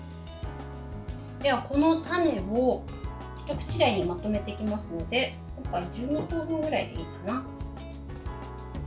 この種を一口大にまとめていきますので今回、１２等分ぐらいでいいのかな。